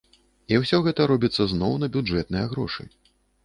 І ўсё гэта робіцца зноў на бюджэтныя грошы.